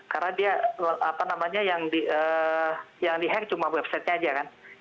karena dia apa namanya yang dihack cuma websitenya aja kan